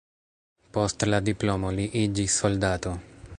Post la diplomo li iĝis soldato.